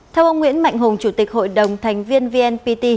theo ông nguyễn mạnh hùng chủ tịch hội đồng thành viên vnpt